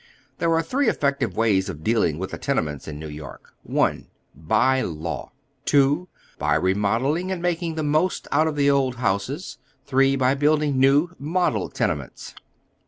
There are three effective ways of dealing with the tene ments in New York : I. By law, II. By remodelling and making the most out of the old houses. III. By building new, model tenements.